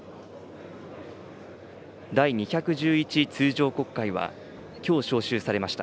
第２１１通常国会は、きょう召集されました。